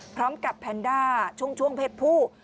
พร้อมกับแพนด้าช่วงเพชรผู้